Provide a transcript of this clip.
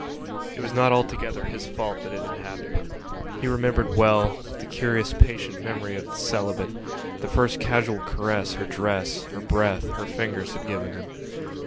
It was not altogether his fault that it had happened. He remembered well, with the curious patient memory of the celibate, the first casual caresses her dress, her breath, her fingers had given him.